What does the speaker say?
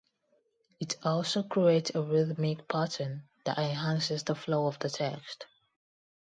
It also creates a rhythmic pattern that enhances the flow of the text.